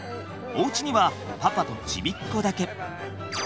おうちにはパパとちびっこだけ。